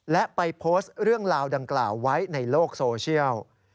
และไปโพสต์เรื่องราวดังกล่าวไว้ในโลกโซเชียล